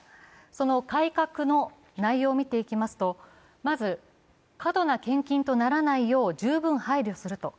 その改革の内容を見ていきますと、まず、過度な献金とならないよう十分配慮すると。